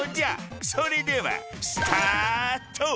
それではスタート！